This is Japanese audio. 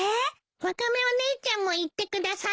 ワカメお姉ちゃんも行ってください。